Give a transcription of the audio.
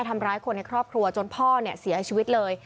ทำร้ายคนในครอบครัวจนพ่อเนี่ยเสียชีวิตเลย